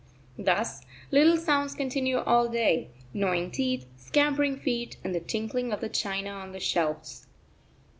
Thus little sounds continue all day long gnawing teeth, scampering feet, and the tinkling of the china on the shelves.